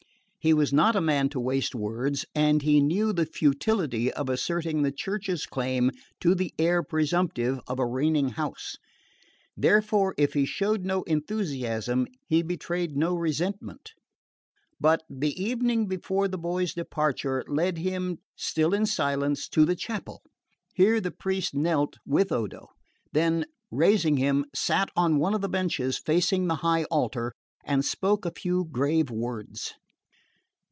He was not the man to waste words and he knew the futility of asserting the Church's claim to the heir presumptive of a reigning house. Therefore if he showed no enthusiasm he betrayed no resentment; but, the evening before the boy's departure, led him, still in silence, to the chapel. Here the priest knelt with Odo; then, raising him, sat on one of the benches facing the high altar, and spoke a few grave words.